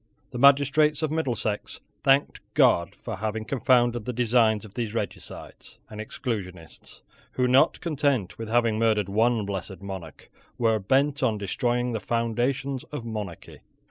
The magistrates of Middlesex thanked God for having confounded the designs of those regicides and exclusionists who, not content with having murdered one blessed monarch, were bent on destroying the foundations of monarchy.